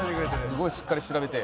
「すごいしっかり調べて」